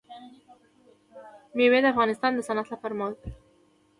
مېوې د افغانستان د صنعت لپاره مواد برابروي.